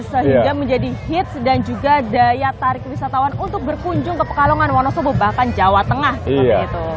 sehingga menjadi hits dan juga daya tarik wisatawan untuk berkunjung ke pekalongan wonosobo bahkan jawa tengah seperti itu